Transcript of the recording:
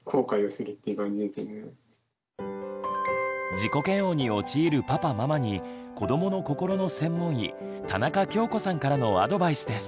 自己嫌悪に陥るパパママに子どもの心の専門医田中恭子さんからのアドバイスです。